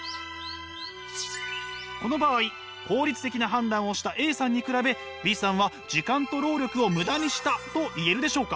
この場合効率的な判断をしたＡさんに比べＢさんは時間と労力をムダにしたと言えるでしょうか？